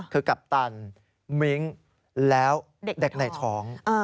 คือกัปตันมิ้งแล้วเด็กในท้อง